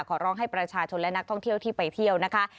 ขอร้องให้ประชาชนและนักท่องเที่ยวที่ไปเที่ยวนะคะ